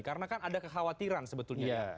karena kan ada kekhawatiran sebetulnya ya